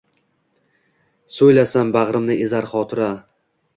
So’ylasam bag’rimni ezar xotira